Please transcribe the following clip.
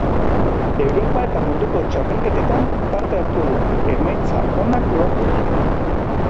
Europa eta Munduko txapelketetan parte hartu du, emaitza onak lortuz.